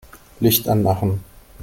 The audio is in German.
Licht anmachen.